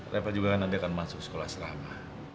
reva juga nanti akan masuk sekolah serapa